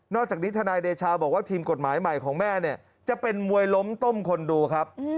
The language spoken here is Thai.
จากนี้ทนายเดชาบอกว่าทีมกฎหมายใหม่ของแม่เนี่ยจะเป็นมวยล้มต้มคนดูครับ